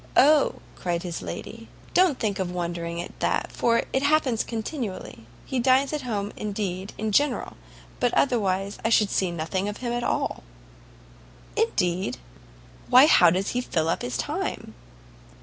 "O!" cried his lady, "don't think of wondering at that, for it happens continually. He dines at home, indeed, in general, but otherwise I should see nothing of him at all." "Indeed? why, how does he fill up his time?"